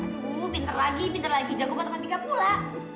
aduh pinter lagi pinter lagi jago matematika pula